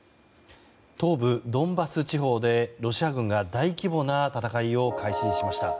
東部ドンバス地方でロシア軍が大規模な戦いを開始しました。